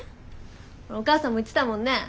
お母さんも言ってたもんね